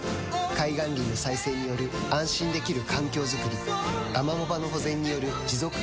海岸林の再生による安心できる環境づくりアマモ場の保全による持続可能な海づくり